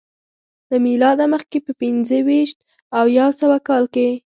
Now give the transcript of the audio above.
له میلاده مخکې په پنځه ویشت او یو سوه کال کې